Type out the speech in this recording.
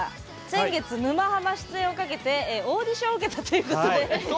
先月「沼ハマ」出演をかけてオーディションを受けたということで。